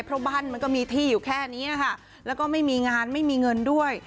เพราะบ้านมันก็มีที่อยู่แค่นี้นะคะแล้วก็ไม่มีงานไม่มีเงินด้วย